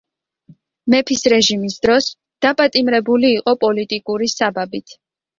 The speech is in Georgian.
მეფის რეჟიმის დროს დაპატიმრებული იყო პოლიტიკური საბაბით.